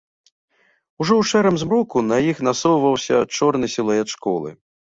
Ужо ў шэрым змроку на іх насоўваўся чорны сілуэт школы.